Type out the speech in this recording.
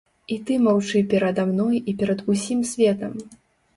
І ты маўчы перада мной і перад усім светам.